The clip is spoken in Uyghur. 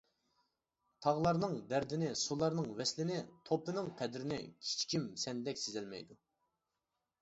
تاغلارنىڭ دەردىنى، سۇلارنىڭ ۋەسلىنى، توپىنىڭ قەدرىنى، كىچىكىم سەندەك سېزەلمەيدۇ.